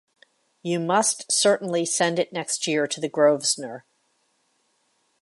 You must certainly send it next year to the Grosvenor.